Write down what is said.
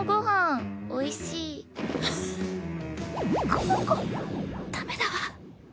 この子ダメだわ。